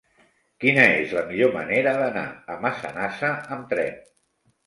Quina és la millor manera d'anar a Massanassa amb tren?